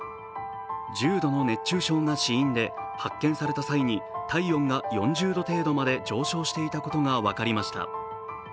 重度の熱中症が死因で、発見された際に体温が４０度程度まで上昇していたことが分かりました。